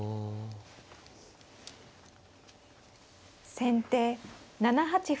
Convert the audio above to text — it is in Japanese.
先手７八歩。